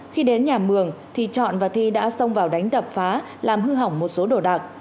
khi đến nhà mường thì chọn và thi đã xông vào đánh đập phá làm hư hỏng một số đồ đạc